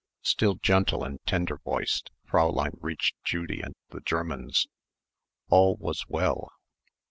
Still gentle and tender voiced Fräulein reached Judy and the Germans. All was well.